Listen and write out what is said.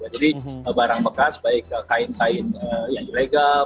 jadi barang bekas baik kain kain yang ilegal